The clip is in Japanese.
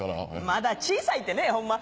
まだ小さいってねホンマ